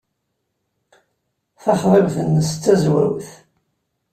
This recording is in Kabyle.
Taxḍibt-nnes d tazwawt.